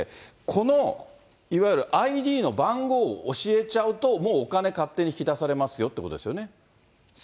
このいわゆるＩＤの番号を教えちゃうと、もうお金勝手に引き出されますよっていうことですね。